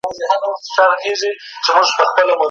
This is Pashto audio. کره کتنه کومې نیمګړتیاوي ښکاره کوي؟